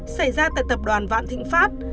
xảy ra tại tập đoàn vạn thịnh pháp